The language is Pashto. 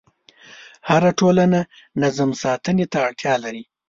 هره ټولنه نظم ساتنې ته اړتیا لري.